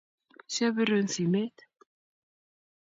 Siyabirun simet